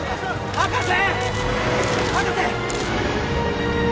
博士！